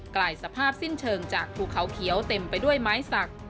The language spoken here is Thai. ลายสภาพสิ้นเชิงจากภูเขาเขียวเต็มไปด้วยไม้สัก